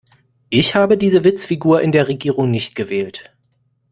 Ich habe diese Witzfigur in der Regierung nicht gewählt.